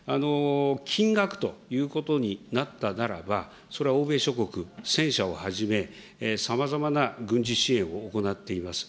金額ということになったならば、それは欧米諸国、戦車をはじめ、さまざまな軍事支援を行っています。